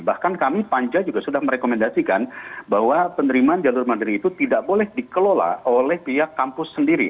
bahkan kami panja juga sudah merekomendasikan bahwa penerimaan jalur mandiri itu tidak boleh dikelola oleh pihak kampus sendiri